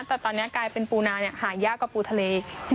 แต่ตอนนี้กลายเป็นปูนาหายากกว่าปูทะเล